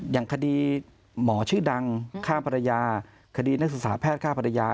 อย่างคดีหมอชื่อดังฆ่าภรรยาคดีนักศึกษาแพทย์ฆ่าภรรยา